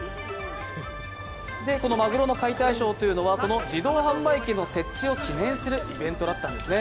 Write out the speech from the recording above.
マグロの解体ショーというのはその自動販売機の設置を記念するイベントだったんですね。